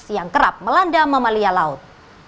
yang kerap melanda mamalia laut